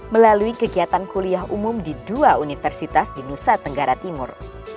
melalui kegiatan kuliah umum di dua universitas di nusa tenggara timur